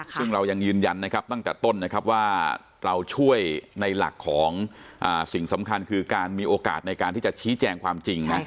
ซึ่งเรายังยืนยันนะครับตั้งแต่ต้นนะครับว่าเราช่วยในหลักของสิ่งสำคัญคือการมีโอกาสในการที่จะชี้แจงความจริงนะ